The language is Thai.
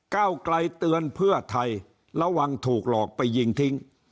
เก้าไกลเตือนเพื่อไทยระวังถูกหลอกไปยิงทิ้ง